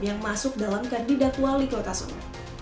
yang masuk dalam kandidat wali kota solo